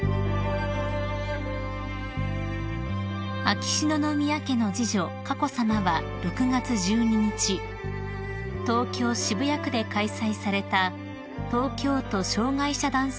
［秋篠宮家の次女佳子さまは６月１２日東京渋谷区で開催された東京都障害者ダンス大会